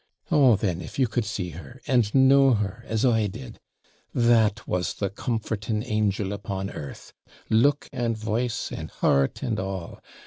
Oh, then, if you could see her, and know her, as I did! THAT was the comforting angel upon earth look and voice, and heart and all!